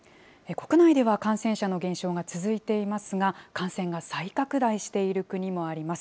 国内では感染者の減少が続いていますが、感染が再拡大している国もあります。